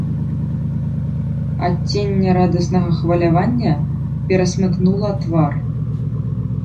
Адценне радаснага хвалявання перасмыкнула твар.